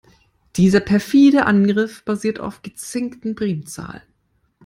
Dieser perfide Angriff basiert auf gezinkten Primzahlen.